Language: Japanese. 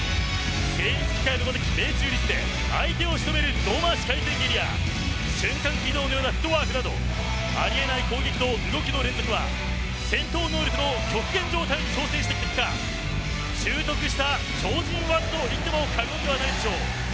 精密機械のような命中率で相手を仕留める胴回し回転蹴りや瞬間移動のようなフットワークなどあり得ない攻撃と動きの連続は戦闘能力の極限状態で挑戦したからこそ習得した超人技といっても過言ではないでしょう。